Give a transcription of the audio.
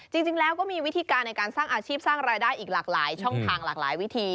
จริงแล้วก็มีวิธีการในการสร้างอาชีพสร้างรายได้อีกหลากหลายช่องทางหลากหลายวิธี